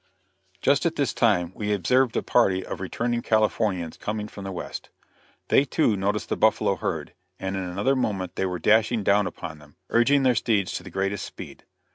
Just at this time we observed a party of returning Californians coming from the West. They, too, noticed the buffalo herd, and in another moment they were dashing down upon them, urging their steeds to the greatest speed.